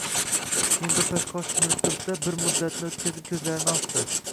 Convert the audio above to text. Keyin birpas qosh chimirib turdi-da, bir muddatni o‘tkazib ko‘zlarini ochdi